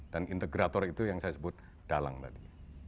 integrator itu yang saya sebut dalang tadi